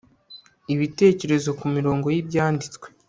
ibitekerezo ku mirongo y' ibyanditswe